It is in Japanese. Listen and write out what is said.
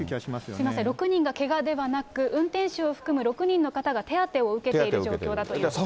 すみません、６人がけがではなく、運転手を含む６人の方が手当てを受けているという状況だということです。